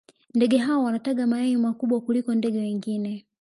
ndege hao wanataga mayai makubwa kuliko ndege wengine